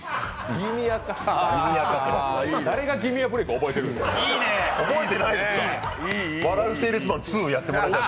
誰が「ギミアブレイク」覚えてるんや。